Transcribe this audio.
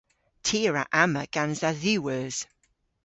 Ty a wra amma gans dha dhiwweus.